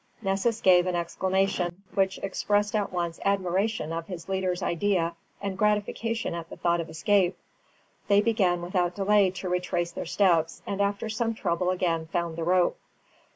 Nessus gave an exclamation, which expressed at once admiration of his leader's idea and gratification at the thought of escape. They began without delay to retrace their steps, and after some trouble again found the rope.